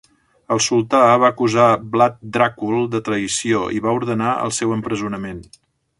El sultà va acusar Vlad Dracul de traïció i va ordenar el seu empresonament.